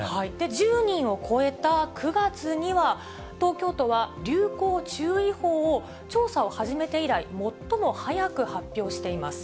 １０人を超えた９月には、東京都は流行注意報を、調査を始めて以来、最も早く発表しています。